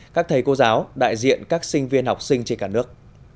các thầy cô giáo đại diện các sinh viên học sinh trên cả nước